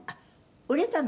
「売れたの？」